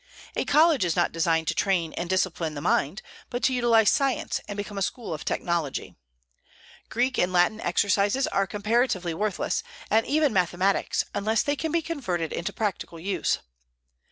A college is not designed to train and discipline the mind, but to utilize science, and become a school of technology. Greek and Latin exercises are comparatively worthless, and even mathematics, unless they can be converted into practical use.